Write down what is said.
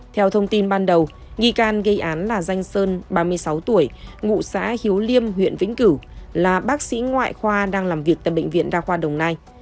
theo thông tin ban đầu nghi can gây án là danh sơn ba mươi sáu tuổi ngụ xã hiếu liêm huyện vĩnh cửu là bác sĩ ngoại khoa đang làm việc tại bệnh viện đa khoa đồng nai